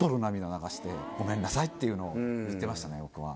「ごめんなさい」っていうのを言ってましたね。